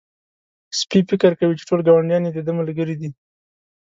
سپی فکر کوي چې ټول ګاونډيان د ده ملګري دي.